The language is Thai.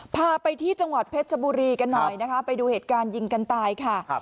พาไปที่จังหวัดเพชรชบุรีกันหน่อยนะคะไปดูเหตุการณ์ยิงกันตายค่ะ